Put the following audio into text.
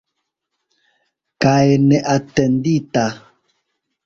Kaj neatendita.